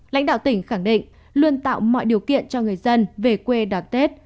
lãnh đạo tỉnh khẳng định luôn tạo mọi điều kiện cho người dân về quê đón tết